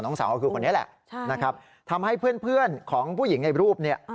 สาวก็คือคนนี้แหละนะครับทำให้เพื่อนของผู้หญิงในรูปเนี่ย